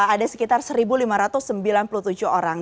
ada sekitar satu lima ratus sembilan puluh tujuh orang